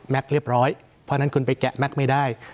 เรียบร้อยเพราะฉะนั้นคุณไปแกะแม็กซ์ไม่ได้